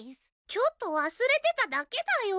ちょっと忘れてただけだよ。